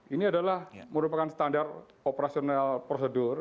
ini adalah merupakan standar operasional prosedur